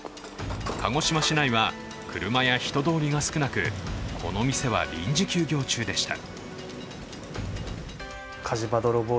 鹿児島市内は車や人通りが少なく、この店は臨時休業中でした。